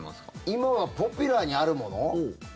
今はポピュラーにあるもの？